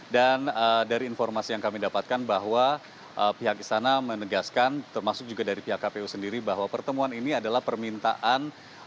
dan dari informasi yang kami dapatkan bahwa pihak istana menegaskan termasuk juga dari pihak kpu sendiri bahwa pertemuan ini adalah permintaan